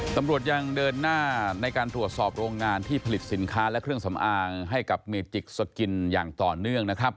ตำรวจยังเดินหน้าในการตรวจสอบโรงงานที่ผลิตสินค้าและเครื่องสำอางให้กับเมจิกสกินอย่างต่อเนื่องนะครับ